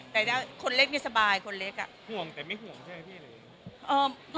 แต่ถ้าคนเล็กนี่สบายคนเล็กอ่ะห่วงแต่ไม่ห่วงใช่ไหมพี่หรือ